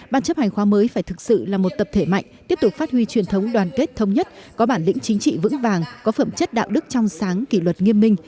ban chấp hành khoa mới phải thực sự là một tập thể mạnh tiếp tục phát huy truyền thống đoàn kết thông nhất có bản lĩnh chính trị vững vàng có phẩm chất đạo đức trong sáng kỷ luật nghiêm minh